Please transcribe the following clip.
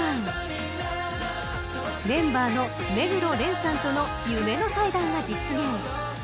そのメンバーの目黒蓮さんとの夢の対談が実現。